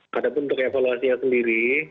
padahal untuk evaluasinya sendiri